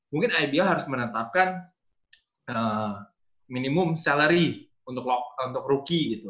mungkin ibl harus menetapkan minimum salary untuk rookie gitu